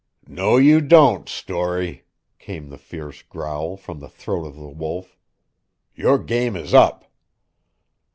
"No you don't, Storey," came the fierce growl from the throat of the Wolf. "Your game is up."